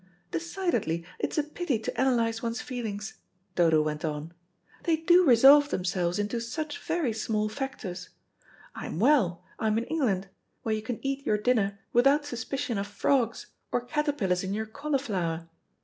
"Decidedly it's a pity to analyse one's feelings," Dodo went on, "they do resolve themselves into such very small factors. I am well, I am in England, where you can eat your dinner without suspicion of frogs, or caterpillars in your cauliflower.